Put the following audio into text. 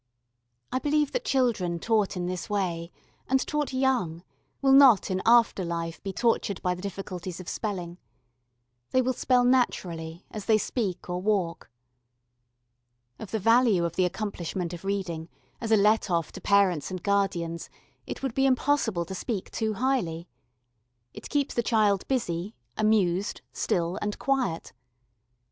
I believe that children taught in this way, and taught young, will not in after life be tortured by the difficulties of spelling. They will spell naturally, as they speak or walk. Of the value of the accomplishment of reading, as a let off to parents and guardians, it would be impossible to speak too highly. It keeps the child busy, amused, still and quiet.